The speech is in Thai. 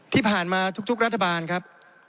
ที่ผ่านมาทุกรัฐบาลครับ